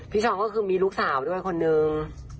ชองก็คือมีลูกสาวด้วยคนนึง